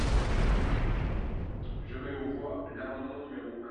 Je mets aux voix l’amendement numéro un.